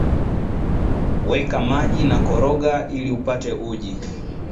weka maji na kukoroga iliupate uji